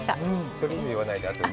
それ以上言わないで、あとは。